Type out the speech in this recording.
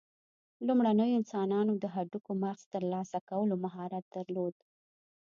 لومړنیو انسانانو د هډوکو مغز ترلاسه کولو مهارت درلود.